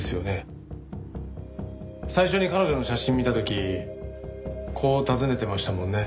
最初に彼女の写真見た時こう尋ねてましたもんね。